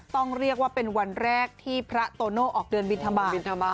ต้องเรียกว่าเป็นวันแรกที่พระโตโน่ออกเดินบินทบาท